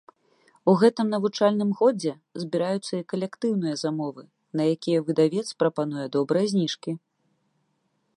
У гэтым навучальным годзе збіраюцца і калектыўныя замовы, на якія выдавец прапануе добрыя зніжкі.